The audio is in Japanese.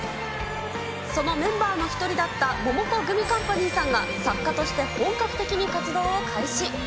そのメンバーの一人だったモモコグミカンパニーさんが、作家として本格的に活動を開始。